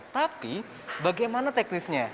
tapi bagaimana teknisnya